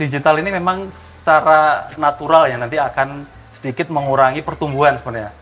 digital ini memang secara natural ya nanti akan sedikit mengurangi pertumbuhan sebenarnya